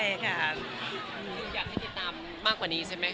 อยากให้ติดตามมากกว่านี้ใช่ไหม